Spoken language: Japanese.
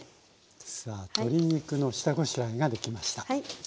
さあ鶏肉の下ごしらえができました。